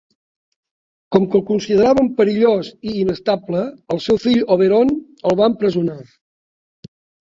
Com que el consideraven perillós i inestable, el seu fill Oberon el va empresonar.